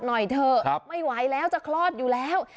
หน่อยเถอะไม่ไหวแล้วจะคลอดอยู่แล้ว